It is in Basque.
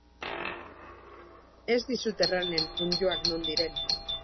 Ez dizut erranen onddoak non diren.